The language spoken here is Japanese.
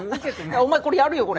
お前これやるよこれ。